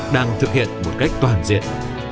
đang thực hiện một cách toàn diện